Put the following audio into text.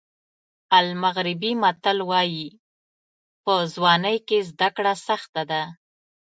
المغربي متل وایي په ځوانۍ کې زده کړه سخته ده.